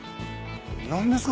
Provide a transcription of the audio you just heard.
何ですか？